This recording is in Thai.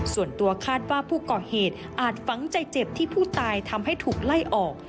ส่วนตัวคาดว่าผู้ก่อเหตุอาจฝังใจเจ็บที่ผู้ตายทำให้ถูกไล่ออก